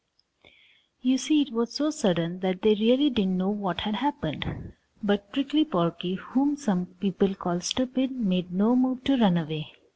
You see, it was so sudden that they really didn't know what had happened. But Prickly Porky, whom some people call stupid, made no move to run away.